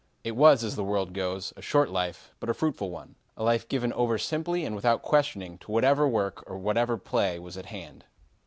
It was, as the world goes, a short life, but a fruitful one a life given over simply and without questioning to whatever work or whatever play was at hand.